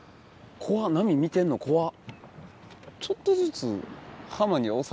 怖っ波見てんの怖っ。